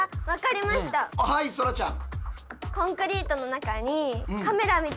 はいそらちゃん。